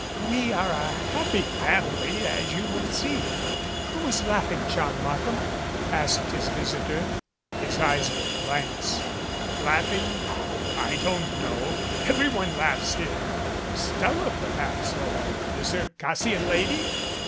"We are a happy fam ily, as you will see.'* "Who was laughing, John Markham?" asked his visitor. His eyes were blanks. "Laughing? I don't know. Everyone laughs here. Stella perhaps or the Circassian lady?"